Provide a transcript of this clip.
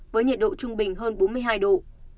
với nhiệt độ trung bình hơn bốn mươi hai độ